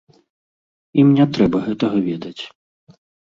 Ім не трэба гэтага ведаць.